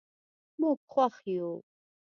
موږ خوښ یو.